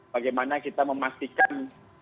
bagaimana kita memastikan